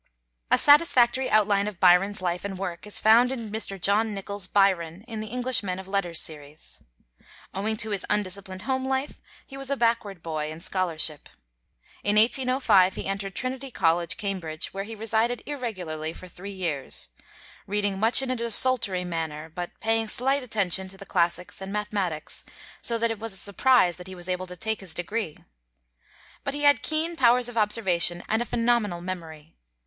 A satisfactory outline of Byron's life and work is found in Mr. John Nichol's 'Byron' in the 'English Men of Letters' series. Owing to his undisciplined home life, he was a backward boy in scholarship. In 1805 he entered Trinity College, Cambridge, where he resided irregularly for three years, reading much in a desultory manner, but paying slight attention to the classics and mathematics; so that it was a surprise that he was able to take his degree. But he had keen powers of observation and a phenomenal memory.